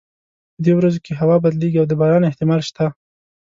په دې ورځو کې هوا بدلیږي او د باران احتمال شته